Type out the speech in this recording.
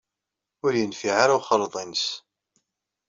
Ur yenfiɛ ara uxaleḍ-nnes.